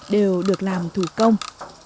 đều được làm thủ công